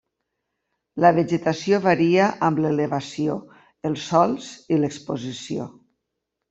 La vegetació varia amb l'elevació, els sòls i l'exposició.